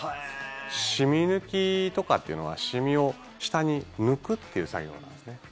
染み抜きとかっていうのは染みを下に抜くっていう作業なんですね。